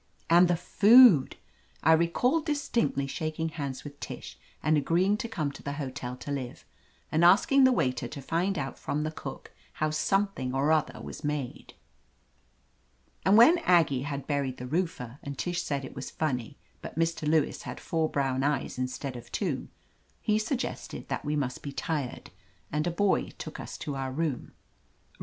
And the food! I recall distinctly shaking hands with Tish and agreeing to come to the hotel to live, and asking the waiter to find out from the cook how something or other was made. And when Aggie had buried the roofer, and Tish said it was funny, but Mr. Lewis had four brown eyes instead of two, he suggested that we must be tired, and a boy took us to our room.